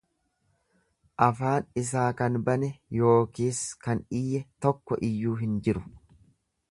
Afaan isaa kan bane yookiis kan iyye tokko iyyuu hin jiru.